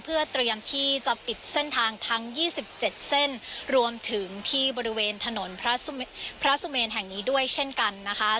เพื่อเตรียมที่จะปิดเส้นทางทั้ง๒๗เส้นรวมถึงที่บริเวณถนนพระสุเมนแห่งนี้ด้วยเช่นกันนะคะ